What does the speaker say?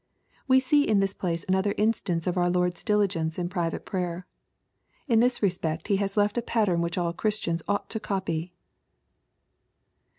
] We see in this place another instance of our Lord's diligence in private prayer. In this respect He has left a pattern which all Christians ought to copy.